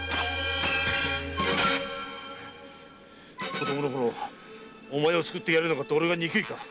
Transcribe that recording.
子供のころおまえを救ってやれなかった俺が憎いか？